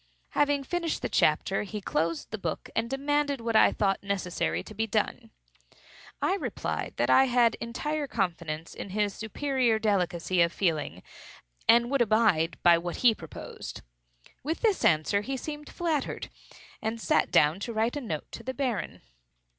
Having finished the chapter, he closed the book, and demanded what I thought necessary to be done. I replied that I had entire confidence in his superior delicacy of feeling, and would abide by what he proposed. With this answer he seemed flattered, and sat down to write a note to the Baron.